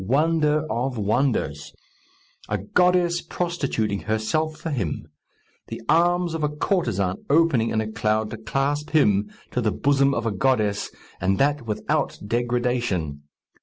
Wonder of wonders! A goddess prostituting herself for him! The arms of a courtesan opening in a cloud to clasp him to the bosom of a goddess, and that without degradation!